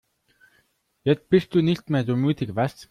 Jetzt bist du nicht mehr so mutig, was?